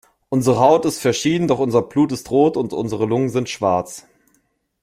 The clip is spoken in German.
Unsere Haut ist verschieden, doch unser Blut ist rot und unsere Lungen sind schwarz.